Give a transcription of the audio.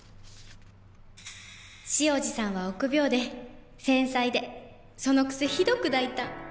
「潮路さんは臆病で繊細でそのくせひどく大胆」